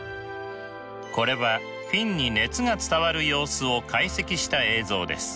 これはフィンに熱が伝わる様子を解析した映像です。